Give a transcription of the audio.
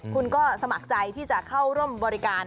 คุณก็สมัครใจที่จะเข้าร่วมบริการ